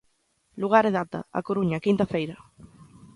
Lugar e data: A Coruña, quinta feira.